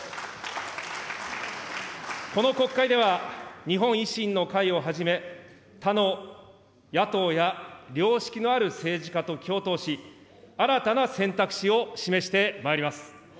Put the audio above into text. この国会では、日本維新の会をはじめ、他の野党や良識のある政治家と共闘し、新たな選択肢を示してまいります。